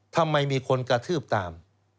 ทำไมมีคนกระทืบตาม